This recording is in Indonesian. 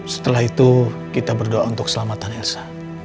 setelah itu kita berdoa untuk keselamatan elsa